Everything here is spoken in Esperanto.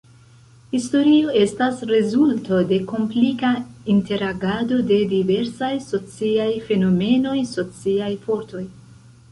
Historio estas rezulto de komplika interagado de diversaj sociaj fenomenoj, sociaj fortoj.